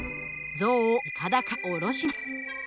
象をいかだから降ろします。